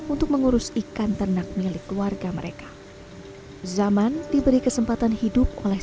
untuk mengurus ikan ternak milik keluarga mereka zaman diberi kesempatan hidup oleh